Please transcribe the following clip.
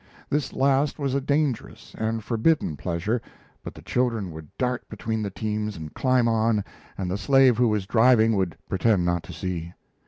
This last was a dangerous and forbidden pleasure, but the children would dart between the teams and climb on, and the slave who was driving would pretend not to see.